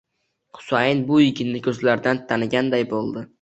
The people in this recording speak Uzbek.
Husayin bu yigitni ko'zlaridan taniganday bo'ldi.